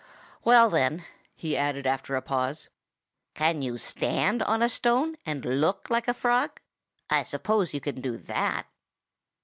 Well, then," he added after a pause, "you can stand on a stone, and look like a frog. I suppose you can do that?"